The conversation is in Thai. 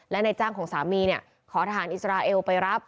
และในจ้างของสามีขอทหารอิสราเอลไปรับ